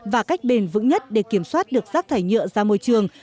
và cách bền vững nhất để kiểm soát được rác thải nhựa ra môi trường